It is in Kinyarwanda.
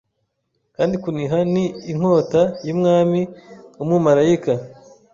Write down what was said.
Kandi kuniha ni inkota yumwami wumumarayika